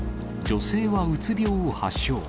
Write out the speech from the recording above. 女性はうつ病を発症。